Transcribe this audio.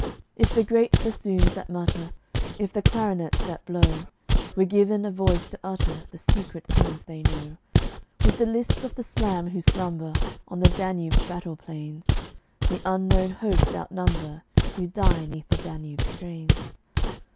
If the great bassoons that mutter, If the clarinets that blow, Were given a voice to utter The secret things they know, Would the lists of the slam who slumber On the Danube's battle plains The unknown hosts outnumber Who die 'neath the "Danube's" strains?